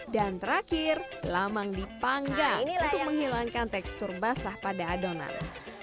dan terakhir lamang dipanggang untuk menghilangkan tekstur basah pada adonan